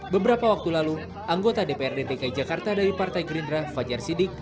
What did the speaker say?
beberapa waktu lalu anggota dprd dki jakarta dari partai gerindra fajar sidik